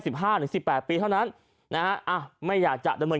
ห้าหรือสิบแปดปีเท่านั้นนะฮะอ่ะไม่อยากจะดำเนิน